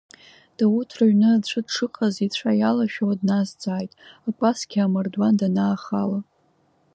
Дауҭ рыҩны аӡәы дшыҟаз ицәа иалашәауа дназҵааит, акәасқьа амардуан данаахала.